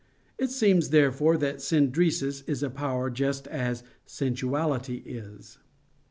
It seems, therefore, that "synderesis" is a power just as sensuality is.